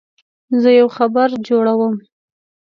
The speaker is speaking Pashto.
زه یو خبر جوړوم.